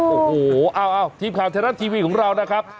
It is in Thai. โอ้โฮทีมข่าวแทนรัสทีวีของเรานะครับ